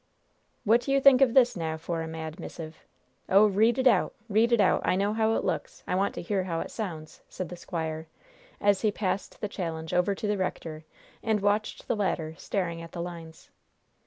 "What do you think of this, now, for a mad missive? Oh, read it out read it out! I know how it looks! I want to hear how it sounds!" said the squire, as he passed the challenge over to the rector, and watched the latter staring at the lines.